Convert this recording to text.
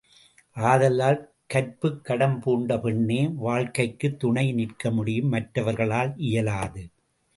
ஆதலால் கற்புக்கடம் பூண்ட பெண்ணே வாழ்க்கைக்குத் துணை நிற்கமுடியும் மற்றவர்களால் இயலாது.